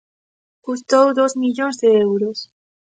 Custou dous millóns de euros.